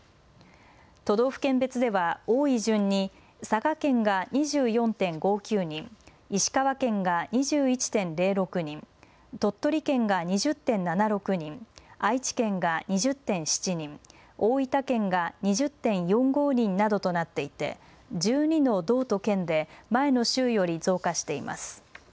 都道府県別では多い順に佐賀県が２４．５９人、石川県が２１．０６人、鳥取県が２０．７６人、愛知県が２０．７人、大分県が２０．４５人などとなっていて１２の道と県で前の週より増加しています。